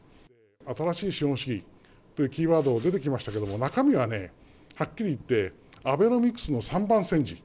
新しい資本主義というキーワードが出てきましたけれども、中身はね、はっきり言って、アベノミクスの３番煎じ。